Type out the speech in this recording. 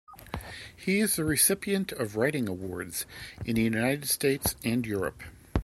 He is the recipient of writing awards in the United States and Europe.